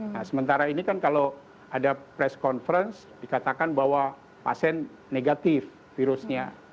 nah sementara ini kan kalau ada press conference dikatakan bahwa pasien negatif virusnya